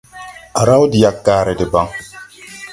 A raw de yaggare debaŋ.